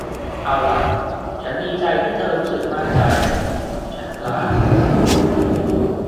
เอาล่ะ ฉันดีใจที่เธอรู้สึกมั่นใจ ฉันกล่าว